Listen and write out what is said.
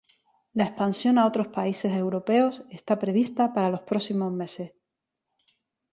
La expansión a otros países europeos está prevista para los próximos meses.